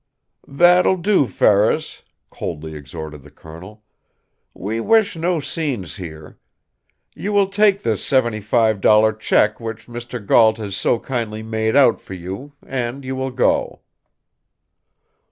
"That will do, Ferris!" coldly exhorted the colonel. "We wish no scenes here. You will take this seventyfive dollar check which Mr. Gault has so kindly made out for you, and you will go."